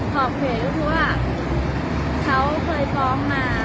ขอบเขียนว่าเขาเคยฟ้องมา